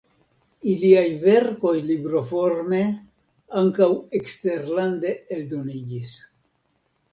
Iliaj verkoj libroforme ankaŭ eksterlande eldoniĝis.